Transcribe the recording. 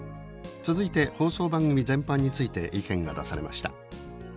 続いて放送番組全般について意見が出されました。